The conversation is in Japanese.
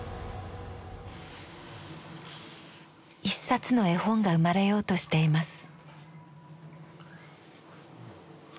一冊の絵本が生まれようとしています。